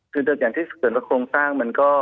คืออย่างที่เกิดว่าโครงสร้างมันก็